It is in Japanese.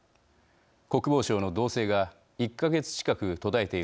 国防相の動静が１か月近く途絶えているうえ